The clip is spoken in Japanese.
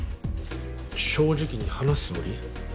正直に話すつもり？